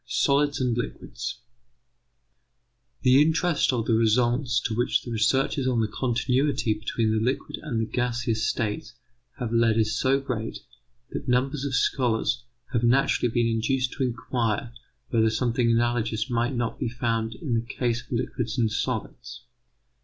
SOLIDS AND LIQUIDS The interest of the results to which the researches on the continuity between the liquid and the gaseous states have led is so great, that numbers of scholars have naturally been induced to inquire whether something analogous might not be found in the case of liquids and solids.